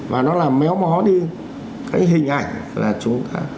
và nó làm méo mó đi cái hình ảnh là chúng ta